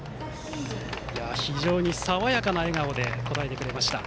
非常に爽やかな笑顔で答えてくれました。